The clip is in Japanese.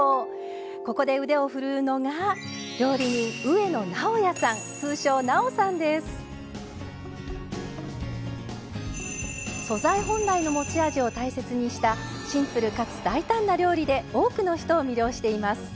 ここで腕を振るうのが素材本来の持ち味を大切にしたシンプルかつ大胆な料理で多くの人を魅了しています。